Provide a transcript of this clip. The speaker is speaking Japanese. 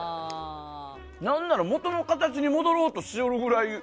何なら元の形に戻ろうとしよるぐらい。